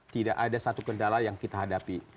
tidak ada satu kendala yang kita hadapi